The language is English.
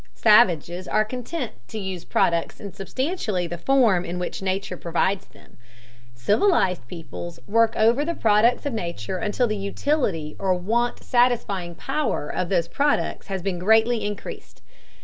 Savages are content to use products in substantially the form in which Nature provides them; civilized peoples work over the products of Nature until the utility or want satisfying power of those products has been greatly increased.